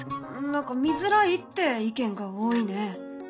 何か見づらいって意見が多いね。